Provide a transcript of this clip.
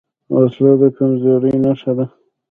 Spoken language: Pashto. وسله د کمزورۍ نښه ده